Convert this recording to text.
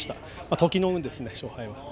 時の運ですね、勝敗は。